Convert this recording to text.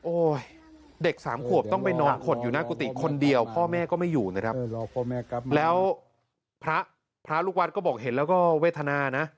เด็กสามขวบต้องไปนอนขดอยู่หน้ากุฏิคนเดียวพ่อแม่ก็ไม่อยู่นะครับแล้วพระลูกวัดก็บอกเห็นแล้วก็เวทนานะ